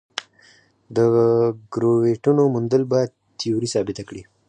د ګرویټونو موندل به تیوري ثابته کړي.